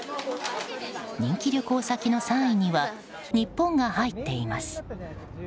人気旅行先の３位には日本が入っています。